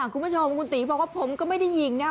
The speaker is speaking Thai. คุณผู้ชมคุณตีบอกว่าผมก็ไม่ได้ยิงนะ